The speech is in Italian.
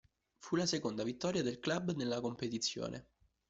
Fu la seconda vittoria del club nella competizione.